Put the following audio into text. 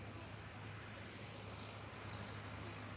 เมื่อเวลาเมื่อเวลาเมื่อเวลา